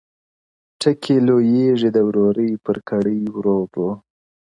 ټکي لوېږي د ورورۍ پر کړۍ ورو ورو-